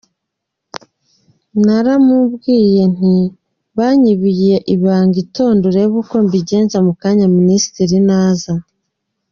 Naramubwiye nti banyibiye ibanga itonde urebe uko mbigenza mu kanya ministre naza.